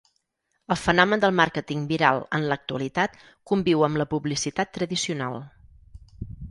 El fenomen del màrqueting viral en l’actualitat conviu amb la publicitat tradicional.